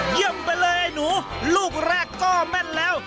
เยี่ยมไปเลยหนูลูกแรกก็แม่นแล้ว